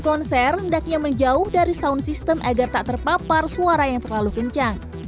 konser hendaknya menjauh dari sound system agar tak terpapar suara yang terlalu kencang